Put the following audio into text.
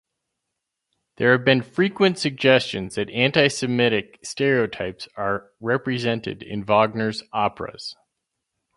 There have been frequent suggestions that antisemitic stereotypes are represented in Wagner's operas.